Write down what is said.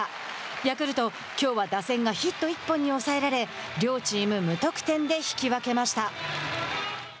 ヤクルト、きょうは打線がヒット１本に抑えられ両チーム無得点で引き分けました。